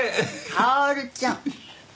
薫ちゃん！